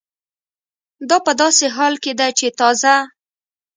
دا په داسې حال کې ده چې تازه